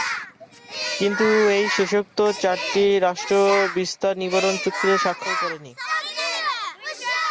কিন্তু এই শেষোক্ত চারটি রাষ্ট্র বিস্তার নিবারণ চুক্তিতে স্বাক্ষর করেনি।